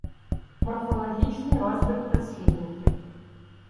Морфологічний розбір прислівників